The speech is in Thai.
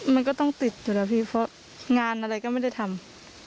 มันก็ต้องติดอยู่นะพี่เพราะงานอะไรก็ไม่ได้ทำ